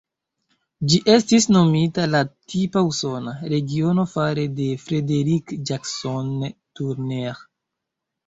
Ĝi estis nomita la "tipa usona" regiono fare de Frederick Jackson Turner.